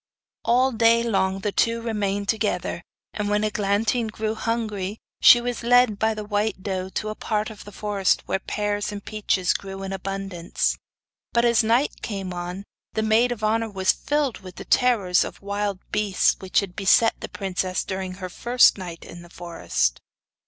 All day long the two remained together, and when Eglantine grew hungry she was led by the white doe to a part of the forest where pears and peaches grew in abundance; but, as night came on, the maid of honour was filled with the terrors of wild beasts which had beset the princess during her first night in the forest.